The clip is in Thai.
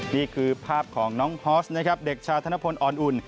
นี่คือภาพของน้องฮอสนะครับเด็กชาธนพลอ่อนอุ่น